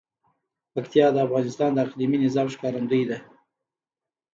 پکتیا د افغانستان د اقلیمي نظام ښکارندوی ده.